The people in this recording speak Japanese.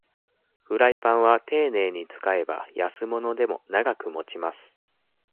フライパンはていねいに使えば安物でも長く持ちます